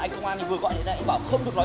trời ơi ngồi đấy mà kêu rên